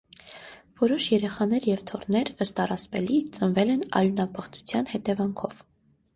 Որոշ երեխաներ և թոռներ, ըստ առասպելի, ծնվել են արյունապղծության հետևանքով։